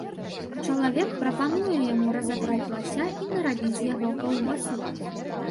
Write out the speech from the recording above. Чалавек прапануе яму разадраць лася і нарабіць з яго каўбасы.